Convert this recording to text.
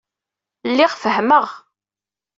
Lliɣ fehmeɣ.